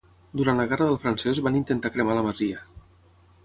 Durant la Guerra del Francès van intentar cremar la masia.